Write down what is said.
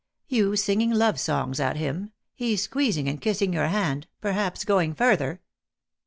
You singing love songs at him, he squeezing and kissing your hand perhaps going further.